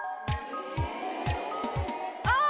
ああ！